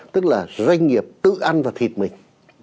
tức là doanh nghiệp tự ăn vào thịt mình